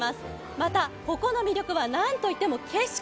また、ここの魅力はなんと言っても景色。